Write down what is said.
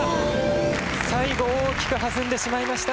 最後大きく弾んでしまいました。